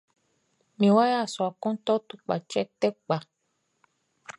Mi wa yassua kun tɔ tupkatʃɛ tɛ kpa.